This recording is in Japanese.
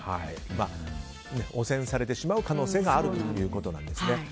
汚染されてしまう可能性があるということですね。